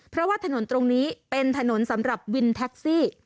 เพราะว่าถนนตรงนี้เป็นถนนสำหรับวินแท็กซี่